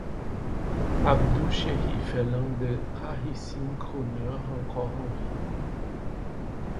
Abdou Cherif est l'un des rarissimes crooners encore en vie.